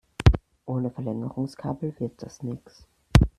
Ohne Verlängerungskabel wird das nichts.